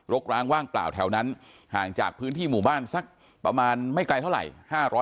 กร้างว่างเปล่าแถวนั้นห่างจากพื้นที่หมู่บ้านสักประมาณไม่ไกลเท่าไหร่